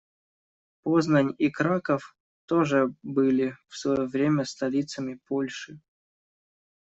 Познань и Краков тоже были в своё время столицами Польши.